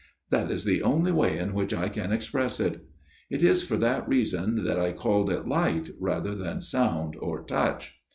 That is the only way in which I can express it. It is for that reason that I called it light, rather than sound or touch.